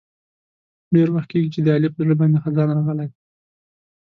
ډېر وخت کېږي چې د علي په زړه باندې خزان راغلی دی.